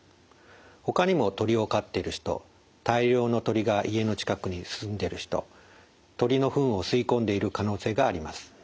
ほかにも鳥を飼っている人大量の鳥が家の近くに住んでいる人鳥の糞を吸い込んでいる可能性があります。